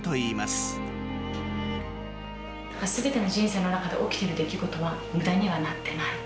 すべての人生の中で起きている出来事はむだにはなっていない。